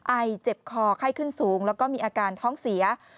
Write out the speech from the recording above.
ไอเจ็บคอไข้ขึ้นสูงแล้วก็มีอาการท้องเสีย